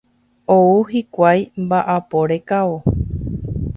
Ou hikuái mba'apo rekávo.